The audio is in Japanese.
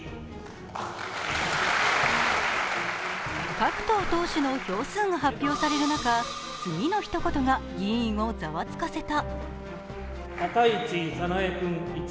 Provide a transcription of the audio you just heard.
各党党首の票数が発表される中、次の一言が議員をざわつかせた。